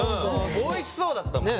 おいしそうだったもん！